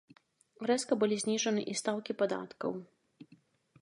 Рэзка былі зніжаны і стаўкі падаткаў.